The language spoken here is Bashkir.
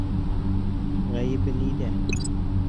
Ғәйебе ниҙә?